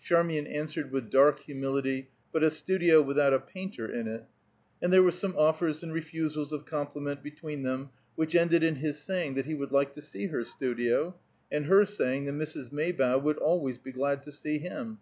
Charmian answered with dark humility, "But a studio without a painter in it!" and there were some offers and refusals of compliment between them, which ended in his saying that he would like to see her studio, and her saying that Mrs. Maybough would always be glad to see him.